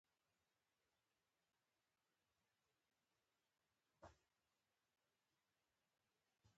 او مېر من یې وه له رنګه ډېره ښکلې